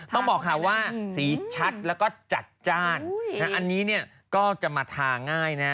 ต้องบอกค่ะว่าสีชัดแล้วก็จัดจ้านอันนี้เนี่ยก็จะมาทาง่ายนะ